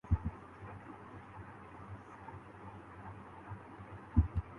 وہ اب موجود نہ تھا۔